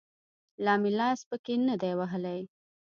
لا مې لاس پکښې نه دى وهلى.